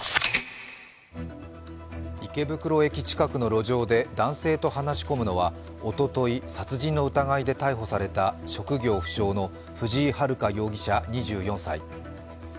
池袋駅近くの路上で男性と話し込むのはおととい殺人の疑いで逮捕された職業不詳の藤井遥容疑者、２４歳。